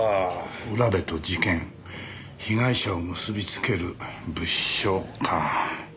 浦部と事件被害者を結びつける物証か。